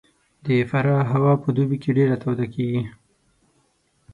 د فراه هوا په دوبي کې ډېره توده کېږي